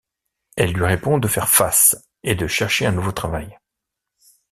Elle lui répond de faire face et de chercher un nouveau travail.